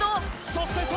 そして外！